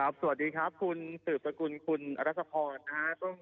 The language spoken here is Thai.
สวัสดีครับคุณสืบสกุลคุณอรัชพรนะครับ